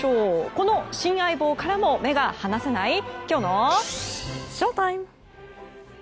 この新相棒からも目が離せないきょうのＳＨＯＴＩＭＥ。